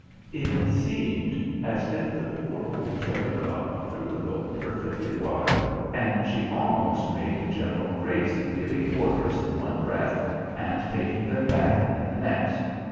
"It seemed as if the poor old fairy godmother would go perfectly wild, and she almost made the General crazy giving orders in one breath, and taking them back in the next.